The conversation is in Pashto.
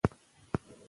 نجونې لوستل کولای سي.